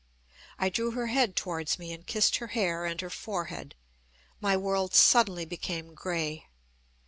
I drew her head towards me, and kissed her hair and her forehead. My world suddenly became grey.